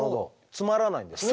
詰まらないんですね